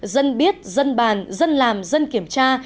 dân biết dân bàn dân làm dân kiểm tra